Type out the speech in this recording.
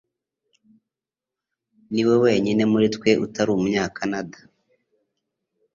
niwe wenyine muri twe utari Umunyakanada.